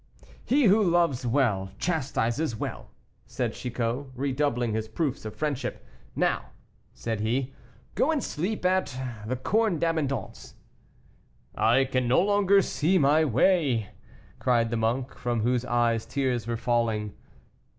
"He who loves well chastises well," said Chicot, redoubling his proofs of friendship. "Now," said he, "go and sleep at the Corne d'Abondance." "I can no longer see my way," cried the monk, from whose eyes tears were falling.